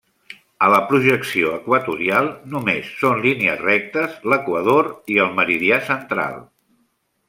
A la projecció equatorial només són línies rectes l'equador i el meridià central.